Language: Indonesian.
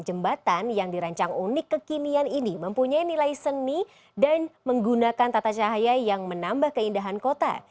jembatan yang dirancang unik kekinian ini mempunyai nilai seni dan menggunakan tata cahaya yang menambah keindahan kota